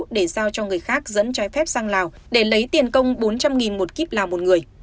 để giao cho người khác dẫn trái phép sang lào để lấy tiền công bốn trăm linh một kiếp lào một người